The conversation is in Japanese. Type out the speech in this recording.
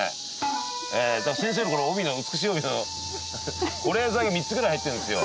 だから先生のこの美しい帯の保冷剤が３つぐらい入ってるんですよ。